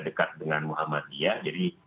dekat dengan muhammadiyah jadi